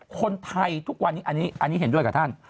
คนไทยทุกวันนี้อันนี้เห็นด้วยกับท่าน